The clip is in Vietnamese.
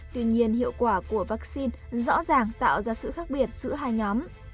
tuy nhiên hiệu quả của vaccine rõ ràng tạo ra sự khác biệt giữa hai nhóm